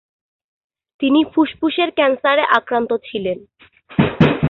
তিনি ফুসফুসের ক্যান্সারে আক্রান্ত ছিলেন।